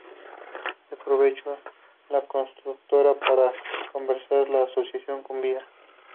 Bode aprovechó la coyuntura para conservar la asociación con vida.